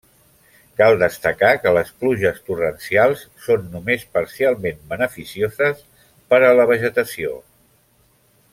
Cal destacar que les pluges torrencials són només parcialment beneficioses per a la vegetació.